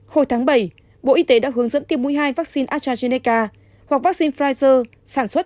hồi tháng bảy bộ y tế đã hướng dẫn tiêm mũi hai vaccine astrazeneca hoặc vaccine pfizer sản xuất